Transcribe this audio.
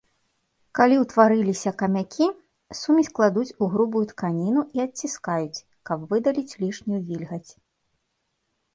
Калі ўтварыліся камякі, сумесь кладуць у грубую тканіну і адціскаюць, каб выдаліць лішнюю вільгаць.